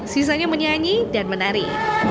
sisanya menyanyi dan menari